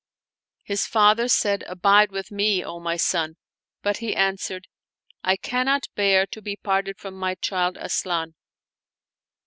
His father said, " Abide with me, O my son !" but he answered, " I cannot bear to be parted from my child Asian."